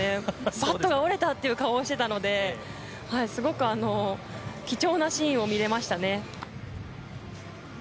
バットが折れた！という顔をしていたのですごく貴重なシーンを見られましたね。